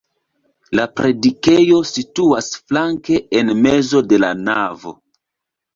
La predikejo situas flanke en mezo de la navo.